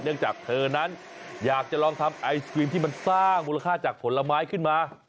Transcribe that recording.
จากเธอนั้นอยากจะลองทำไอศครีมที่มันสร้างมูลค่าจากผลไม้ขึ้นมา